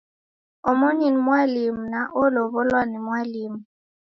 Omoni ni mwalimu na olow'olwa ni mwalimu